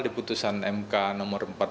di putusan mk no empat puluh dua